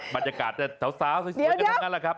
บรรยากาศจะสาวสวยกันทั้งนั้นแหละครับ